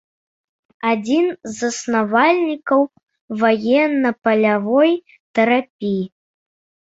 Адзін з заснавальнікаў ваенна-палявой тэрапіі.